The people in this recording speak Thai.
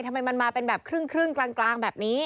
ทำไมมันมาเป็นแบบครึ่งกลางแบบนี้